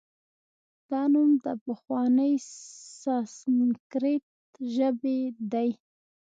دا نوم د پخوانۍ سانسکریت ژبې دی